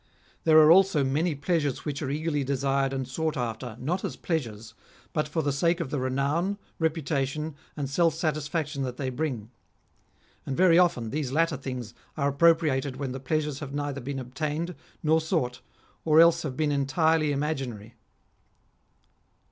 There are also many pleasures which are eagerly desired and sought after, not as pleasures, but for the sake of the renown, reputation, and self satisfaction that they bring ; and very often these latter things are appro priated when the pleasures have neither been obtained, nor sought, or else have been entirely imaginary."